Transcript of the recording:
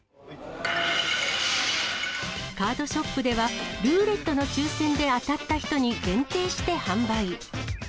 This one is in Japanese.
カードショップでは、ルーレットの抽せんで当たった人に限定して販売。